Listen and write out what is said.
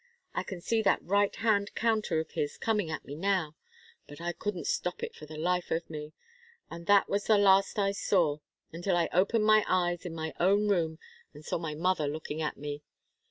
I can see that right hand counter of his coming at me now, but I couldn't stop it for the life of me and that was the last I saw, until I opened my eyes in my own room and saw my mother looking at me.